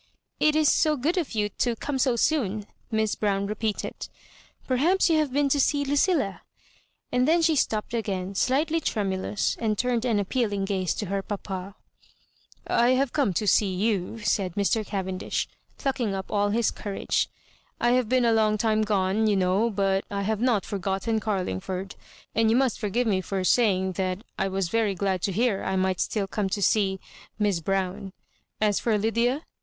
'* It is so good of you to come so soon," Miss Brown repeated ;" perhaps you have been to see Lucilla," and then she stopped again, slightly tremulous, and turned an appealing gaze to her papa. " I have come to see ^ou," said Mr. Cavendish, plucking up all his courage. "I have been a long time gone, you know, but I have not for gotten Caiiingford ; and you must forgive me for saying that I was very glad to hear I might still come to see — Miss Brown, As for Lydia?"